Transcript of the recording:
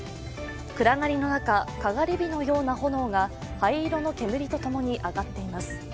暗がりの中、かがり火のような炎が灰色の煙とともに上がっています。